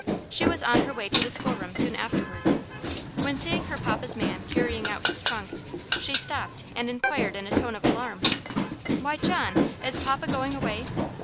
She was on her way to the school room soon afterwards, when, seeing her papa's man carrying out his trunk, she stopped and inquired in a tone of alarm "Why, John! is papa going away?"